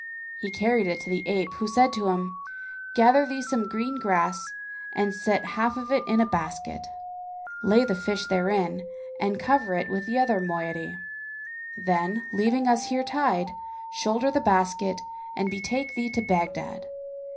He carried it to the ape, who said to him, "Gather thee some green grass and set half of it in a basket; lay the fish therein and cover it with the other moiety. Then, leaving us here tied, shoulder the basket and betake thee to Baghdad.